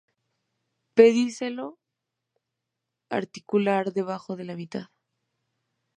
Pedicelo articular debajo de la mitad.